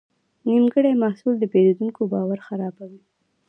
نیمګړی محصول د پیرودونکي باور خرابوي.